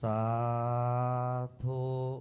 สาธุ